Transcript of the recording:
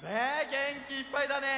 げんきいっぱいだね。